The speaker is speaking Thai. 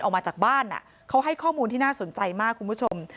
ออกมาจากบ้านเขาให้ข้อมูลที่น่าสนใจมากคุณผู้ชม